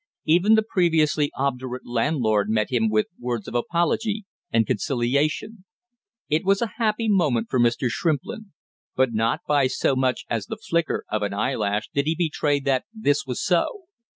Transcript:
Even the previously obdurate landlord met him with words of apology and conciliation. It was a happy moment for Mr. Shrimplin, but not by so much as the flicker of an eyelash did he betray that this was so.